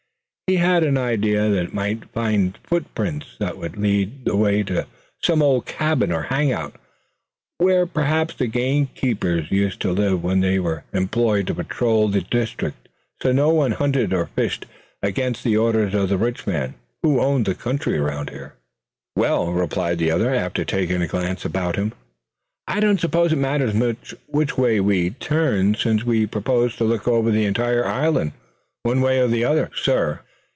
He had an idea they might find footprints that would lead the way to some old cabin or hangout, where perhaps the game keepers used to live when they were employed to patrol the district, so that no one hunted or fished against the orders of the rich man who owned the country around. "Well," replied the other, after taking a glance about him, "I don't suppose it matters much which way we turn, since we propose to look over the entire island one way or another, suh.